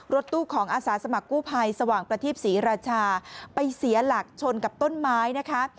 รถตู้ของอาสาสมัครกู้ภัยสว่างประทีปศรีราชาไปเสียหลักชนกับต้นไม้นะคะ